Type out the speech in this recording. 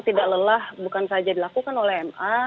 tidak lelah bukan saja dilakukan oleh ma